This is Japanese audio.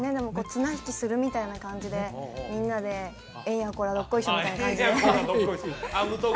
綱引きするみたいな感じでみんなでえんやこらどっこいしょみたいな感じで編む時？